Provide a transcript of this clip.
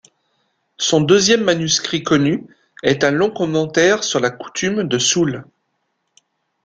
Son deuxième manuscrit connu, est un long commentaire sur la coutume de Soule.